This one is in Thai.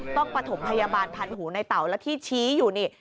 ต้องปฐมพยาบาลภัณฑ์หูในเต่าแล้วที่ชี้อยู่นี่